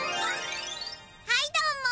はいどうも！